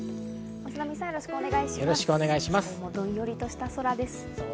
今日もどんよりした空です。